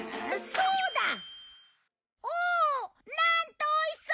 そうだろ？